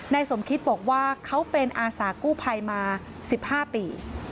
สมคิตบอกว่าเขาเป็นอาสากู้ภัยมา๑๕ปี